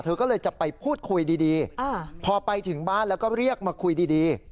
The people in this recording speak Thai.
เธอก็เลยจะไปพูดคุยดีพอไปถึงบ้านแล้วก็เรียกมาคุยดี